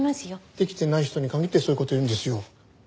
できてない人に限ってそういう事言うんですよ。